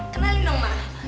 kenalin dong ma